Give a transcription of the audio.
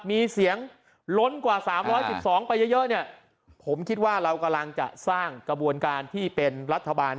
มีเสียงล้นกว่า๓๑๒ไปเยอะเนี่ยผมคิดว่าเรากำลังจะสร้างกระบวนการที่เป็นรัฐบาล